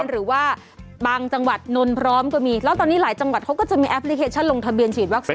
หรือว่าบางจังหวัดนนพร้อมก็มีแล้วตอนนี้หลายจังหวัดเขาก็จะมีแอปพลิเคชันลงทะเบียนฉีดวัคซีน